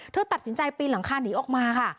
เธอตัดสินใจปีนหลังคาหนีออกมาค่ะ